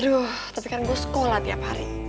aduh tapi kan gue sekolah tiap hari